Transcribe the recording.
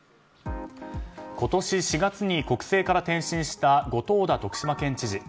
今年４月に国政から転身した後藤田徳島県知事。